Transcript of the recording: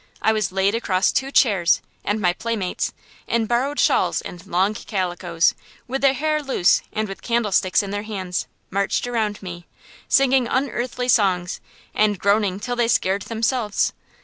I was laid across two chairs, and my playmates, in borrowed shawls and long calicoes, with their hair loose and with candlesticks in their hands, marched around me, singing unearthly songs, and groaning till they scared themselves.